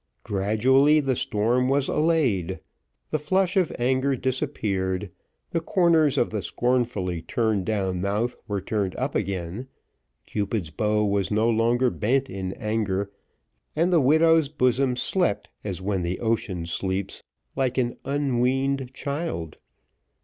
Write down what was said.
Gradually the storm was allayed the flush of anger disappeared, the corners of the scornfully turned down mouth, were turned up again Cupid's bow was no longer bent in anger, and the widow's bosom slept as when the ocean sleeps, like "an unweaned child."